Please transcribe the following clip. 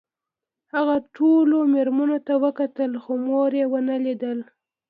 هغه ټولو مېرمنو ته وکتل خو مور یې ونه لیده